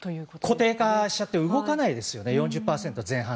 固定化しちゃって動かないですよね。